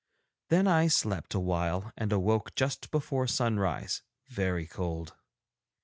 Then I slept awhile and awoke just before sunrise, very cold.